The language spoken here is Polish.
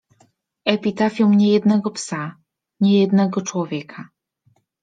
epitafium niejednego psa - niejednego człowieka.